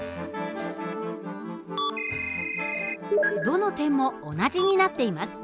どの点も同じになっています。